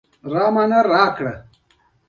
دی ډېر زړور ځوان دی، د زړورتیا مېډال هم ورکوي.